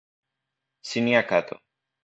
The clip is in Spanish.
Shinya Kato